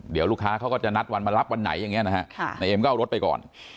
เดี๋ยวลูกค้าเขาก็จะนัดวันมารับวันไหนอย่างนี้นะฮะนายเอ็มก็เอารถไปก่อน